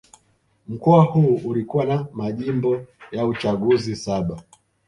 Mkoa huu ulikuwa na majimbo ya uchaguzi saba